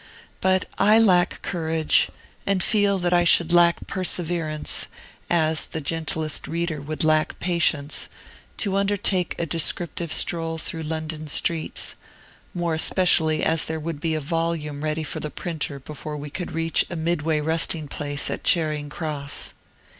But I lack courage, and feel that I should lack perseverance, as the gentlest reader would lack patience, to undertake a descriptive stroll through London streets; more especially as there would be a volume ready for the printer before we could reach a midway resting place at Charing Cross.